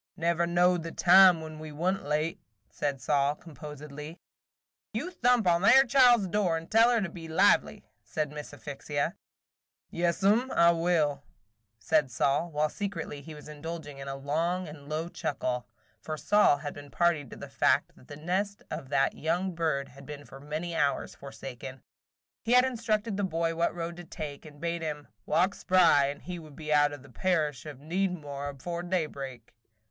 "Never knowed the time when we wa' n't late," said Sol, composedly. "You thump on that 'ere child's door, and tell her to be lively," said Miss Asphyxia. "Yaas 'm I will," said Sol, while secretly he was indulging in a long and low chuckle, for Sol had been party to the fact that the nest of that young bird had been for many hours forsaken. He had instructed the boy what road to take, and bade him "walk spry and he would be out of the parish of Needmore afore daybreak.